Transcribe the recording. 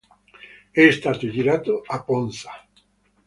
È stato girato a Ponza.